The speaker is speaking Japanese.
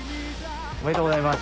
おめでとうございます。